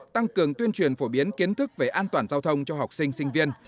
tăng cường tuyên truyền phổ biến kiến thức về an toàn giao thông cho học sinh sinh viên